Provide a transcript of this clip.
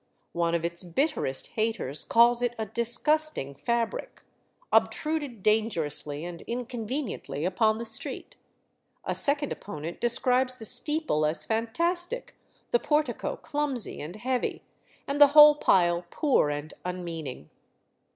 One of its bitterest haters calls it a "disgusting fabric," obtruded dangerously and inconveniently upon the street. A second opponent describes the steeple as fantastic, the portico clumsy and heavy, and the whole pile poor and unmeaning.